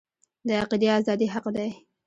د عقیدې ازادي حق دی